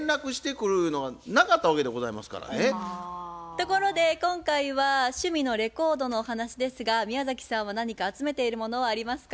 ところで今回は趣味のレコードのお話ですが宮崎さんは何か集めているものはありますか？